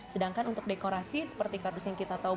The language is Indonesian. sedangkan untuk dekorasi seperti kardus yang kita tahu